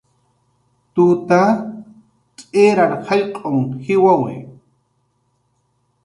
Tuta tz'irar jallq'un jiwawi